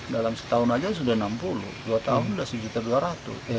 dalam setahun aja sudah enam puluh dua tahun sudah satu juta dua ratus eh satu ratus dua puluh